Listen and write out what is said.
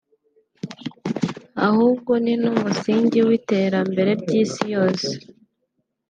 ahubwo ni n’umusingi w’ iterambere ry’Isi yose